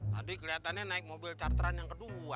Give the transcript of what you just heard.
tadi kelihatannya naik mobil carteran yang kedua